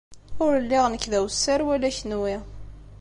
Ur lliɣ nekk d awessar wala kenwi.